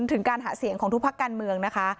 ถึงการหาเสียงของทุกพักการเมืองนะคะ